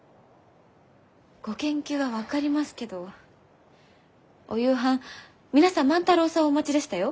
ご研究は分かりますけどお夕飯皆さん万太郎さんをお待ちでしたよ。